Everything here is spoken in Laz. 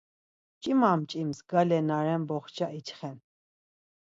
Mç̌ima ç̌ims gale na ren boxça içxen.